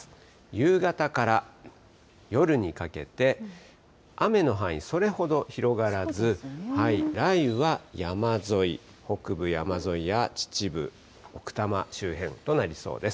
夕方から夜にかけて雨の範囲、それほど広がらず、雷雨は山沿い、北部山沿いや秩父、奥多摩周辺となりそうです。